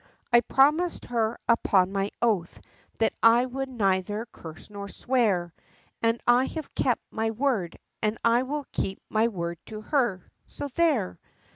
I promised her, upon my oath, that I would neither curse nor swear, And I have kept my word, and I will keep my word to her, so there!